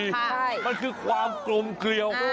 ใช่มันคือความกลมเกลียว